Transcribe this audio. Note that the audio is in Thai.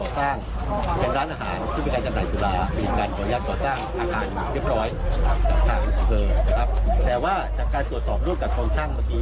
แต่ว่าระบอกว่าจากการตรวจสอบรุ่นกับคองชั่งเมื่อกี้